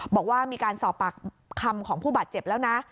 บอกว่ามีการสอบปากคำของผู้บาดเจ็บแล้วนะ